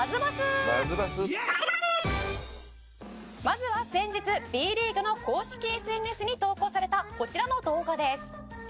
「まずは先日Ｂリーグの公式ＳＮＳに投稿されたこちらの動画です」